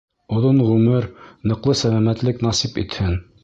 Оҙон ғүмер, ныҡлы сәләмәтлек насип итһен!